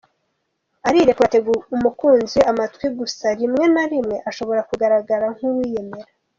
Arirekura, atega umukunzi we amatwi gusa rimwe na rimwe ashobora kugaragara nk’uwiyemera.